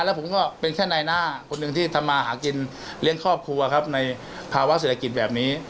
แล้วผมก็เป็นแค่นายหน้าคนหนึ่งที่ทำมาหากินเลี้ยงครอบครัวครับในภาวะเศรษฐกิจแบบนี้